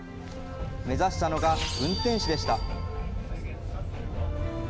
目指したのが、運転士でした。